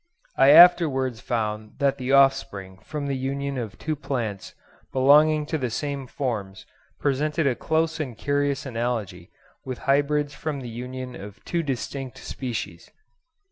I afterwards found that the offspring from the union of two plants belonging to the same forms presented a close and curious analogy with hybrids from the union of two distinct species.